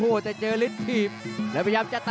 ต้องบอกว่าการชกกังวันเนี่ยหลายคนไม่ชอบครับ